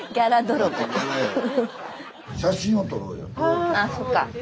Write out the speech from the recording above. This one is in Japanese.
あそっか。